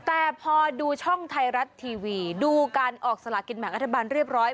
แต่พอดูช่องไทยรัฐทีวีดูการออกสลากินแบ่งรัฐบาลเรียบร้อย